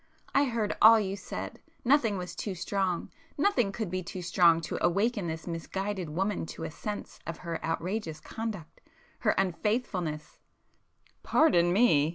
I heard all you said! Nothing was too strong,—nothing could be too strong to awaken this misguided woman to a sense of her outrageous conduct,—her unfaithfulness——" "Pardon me!"